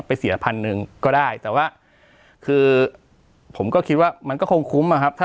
เสียพันหนึ่งก็ได้แต่ว่าคือผมก็คิดว่ามันก็คงคุ้มอะครับ